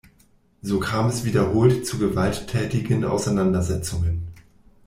So kam es wiederholt zu gewalttätigen Auseinandersetzungen.